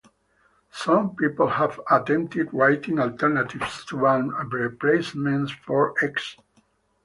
Some people have attempted writing alternatives to and replacements for X.